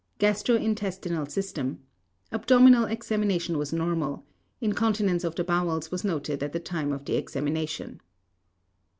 GASTRO INTESTINAL SYSTEM: Abdominal examination was normal. Incontinence of the bowels was noted at the time of the examination.